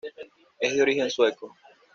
Es de origen sueco.